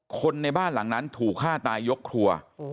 คนในบ้านหลังนั้นถูกฆ่าตายยกครัว